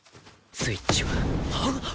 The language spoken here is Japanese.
スイッチは。